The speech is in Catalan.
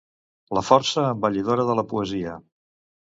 La força embellidora de la poesia.